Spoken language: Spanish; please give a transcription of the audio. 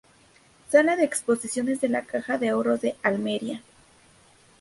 Sala de Exposiciones de la Caja de Ahorros de Almería.